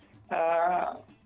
untuk mempertimbangkan kembali